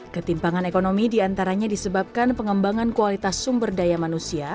ketimpangan ekonomi diantaranya disebabkan pengembangan kualitas sumber daya manusia